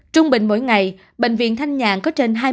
trung bệnh mỗi ngày bệnh viện thanh nhạng có trung tâm y tế